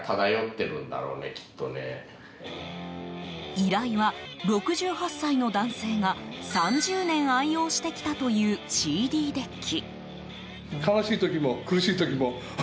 依頼は、６８歳の男性が３０年愛用してきたというＣＤデッキ。